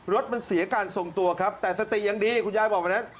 รถมันเสียการทรงตัวครับแต่สติยังดีคุณยายบอกวันนั้น